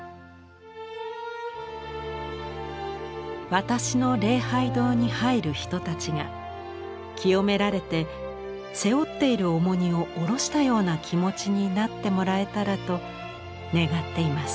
「私の礼拝堂に入る人たちが清められて背負っている重荷を下ろしたような気持ちになってもらえたらと願っています」。